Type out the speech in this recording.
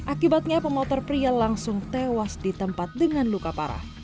akibatnya pemotor pria langsung tewas di tempat dengan luka parah